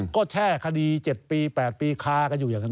ก็แช่คดี๗ปี๘ปีคากันอยู่อย่างนั้น